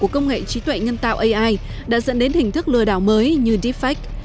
các công nghệ trí tuệ nhân tạo ai đã dẫn đến hình thức lừa đảo mới như defect